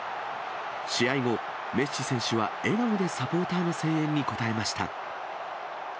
試合後、メッシ選手は笑顔でサポーターの声援に応えました。